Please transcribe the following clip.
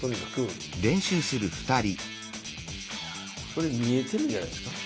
それ見えてるんじゃないすか？